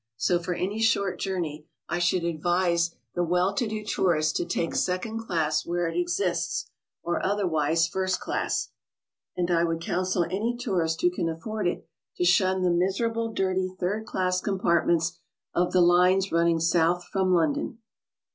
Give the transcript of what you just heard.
So for any short journey I should advise the well to do tourist to take second class where it exists, or otherwise first class; and I would counsel any tourist who can afford it to shun the miserable, dirty third class com partments of the lines running south from London.